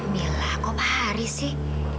mila kok pak haris sih